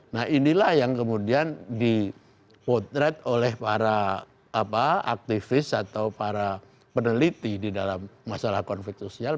nah inilah yang kemudian dipotret oleh para aktivis atau para peneliti di dalam masalah konflik sosial